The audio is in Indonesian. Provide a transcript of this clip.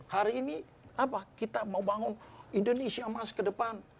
hari ini apa kita mau bangun indonesia emas ke depan